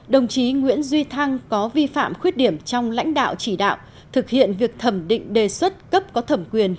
đồng chí nguyễn duy thăng có vi phạm khuyết điểm trong lãnh đạo chỉ đạo thực hiện việc thẩm định đề xuất cấp có thẩm quyền